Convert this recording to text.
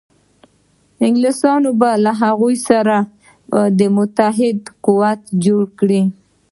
انګلیسیان به له هغوی سره متحد قوت جوړ کړي.